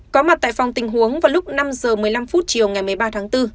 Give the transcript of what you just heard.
có mặt tại phòng tình huống vào lúc năm h một mươi năm chiều ngày một mươi ba tháng bốn